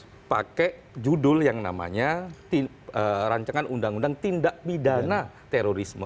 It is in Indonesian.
kita pakai judul yang namanya rancangan undang undang tindak pidana terorisme